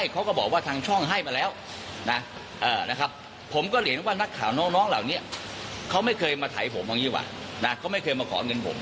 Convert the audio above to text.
ก็ไม่เคยมาขอเงินผม